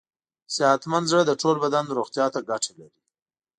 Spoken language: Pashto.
صحتمند زړه د ټول بدن روغتیا ته ګټه لري.